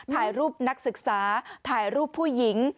ถ่ายรูปนักศึกษาถ่ายรูปผู้หญิง